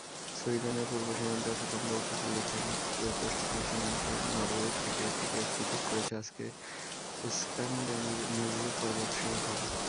সুইডেনের পূর্ব সীমান্তে আছে লম্বা উপকূলরেখা, এবং এর পশ্চিম সীমান্তে, নরওয়ে থেকে এটিকে পৃথক করে, আছে স্ক্যান্ডিনেভীয় পর্বত শৃঙ্খলা।